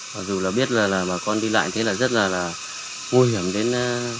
mà dù là biết là bà con đi lại thế là rất là là nguy hiểm đến